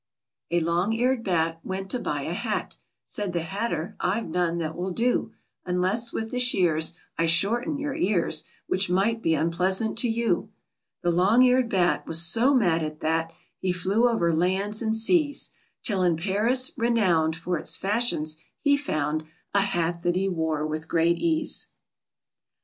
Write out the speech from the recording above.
A long eared bat Went to buy a hat. Said the hatter, "I've none that will do, Unless with the shears I shorten your ears, Which might be unpleasant to you." The long eared bat Was so mad at that He flew over lands and seas, Till in Paris (renowned For its fashions) he found A hat that he wore with great ease.